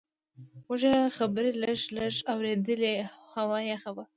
موږ یې خبرې لږ لږ اورېدلې، هوا یخه وه.